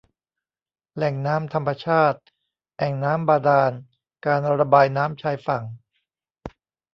แหล่งน้ำธรรมชาติ แอ่งน้ำบาดาล การระบายน้ำชายฝั่ง